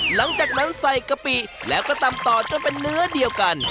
หลังจากนั้นใส่กะปิแล้วก็ตำต่อจนเป็นเนื้อเดียวกัน